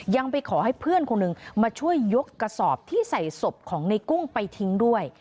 ยังไปขอให้เพื่อนคนหนึ่งมาช่วยยกกระสอบที่ใส่ศพของในกุ้งไปทิ้งด้วย